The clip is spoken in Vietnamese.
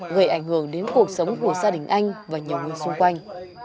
gây ảnh hưởng đến cuộc sống của gia đình anh và nhiều người xung quanh